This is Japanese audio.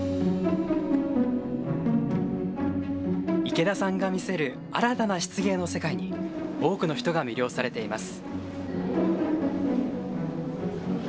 池田さんが見せる新たな漆芸の世界に、多くの人が魅了されています。